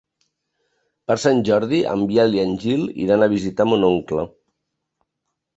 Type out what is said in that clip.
Per Sant Jordi en Biel i en Gil iran a visitar mon oncle.